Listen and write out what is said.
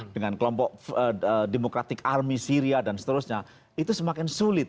dengan kelompok demokratik army syria dan seterusnya itu semakin sulit